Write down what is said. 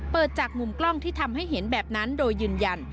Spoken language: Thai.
เปิดจากมุมกล้องที่ทำให้เห็นแบบนั้นโดยยืนยัน